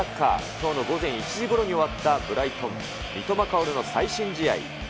きょうの午前１時ごろに終わったブライトン、三笘薫の最新試合。